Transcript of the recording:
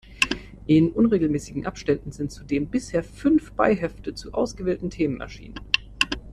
In unregelmäßigen Abständen sind zudem bisher fünf Beihefte zu ausgewählten Themen erschienen.